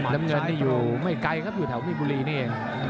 น้ำเงินนี่อยู่ไม่ไกลครับอยู่แถวพี่บุรีนี่เอง